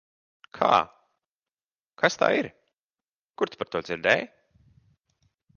Kā? Kas tā ir? Kur tu par to dzirdēji?